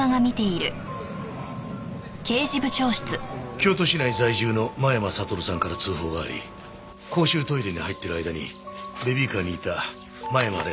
京都市内在住の間山悟さんから通報があり公衆トイレに入っている間にベビーカーにいた間山蓮